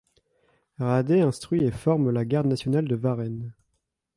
Radet instruit et forme la garde nationale de Varennes.